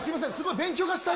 勉強がしたい。